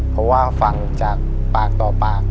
เพราะว่าฟังจากปากต่อปาก